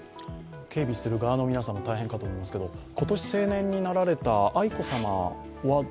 警備する側の皆さんも大変かと思いますけれども、今年成年になられた愛子さまは？